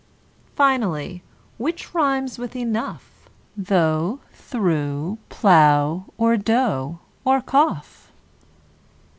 Finally: which rimes with "enough," Though, through, plough, cough, hough, or tough?